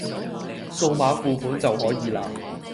掃碼付款就可以喇